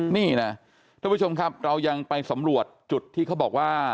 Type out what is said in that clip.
นี่นะท่านผู้ชมครับเรายังไปสำรวจจุดที่เขาบอกว่า